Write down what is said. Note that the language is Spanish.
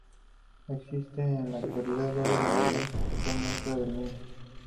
Existen en la actualidad varios monumentos que son muestras del mismo.